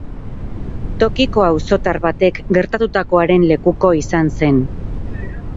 Tokiko auzotar batek gertatutakoaren lekuko izan zen.